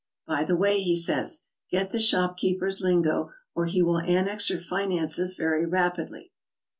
"By the way," he says, "get the shopkeepers lingo or he will annex your finances very rapidly."